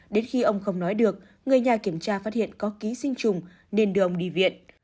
đến khi ông không nói được người nhà kiểm tra phát hiện có ký sinh trùng nên đưa ông đi viện